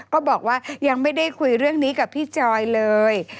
ก็บอกว่ายังไม่ได้คุยเรื่องนี้กับพี่จอยเลย